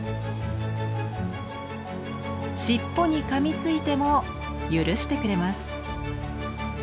尻尾にかみついても許してくれます。